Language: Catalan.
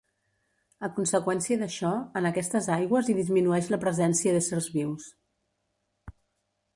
A conseqüència d'això, en aquestes aigües hi disminueix la presència d'éssers vius.